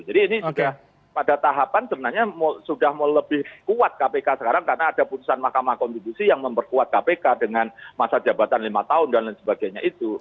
jadi ini pada tahapan sebenarnya sudah mau lebih kuat kpk sekarang karena ada putusan mahkamah konstitusi yang memperkuat kpk dengan masa jabatan lima tahun dan lain sebagainya itu